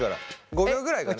５秒ぐらいかな。